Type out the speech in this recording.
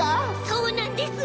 そうなんです。